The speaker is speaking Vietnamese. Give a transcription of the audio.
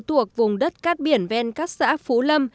tuộc vùng đất cát biển ven các xã phú lâm